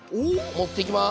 持っていきます。